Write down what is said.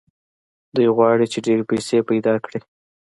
دوی غواړي چې ډېرې پيسې پيدا کړي.